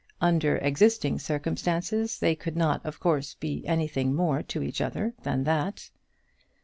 Under existing circumstances they could not, of course, be anything more to each other than that.